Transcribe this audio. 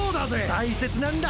大切なんだ。